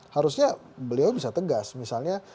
harusnya beliau bisa tegas misalnya